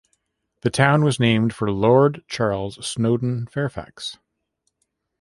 The town was named for Lord Charles Snowden Fairfax.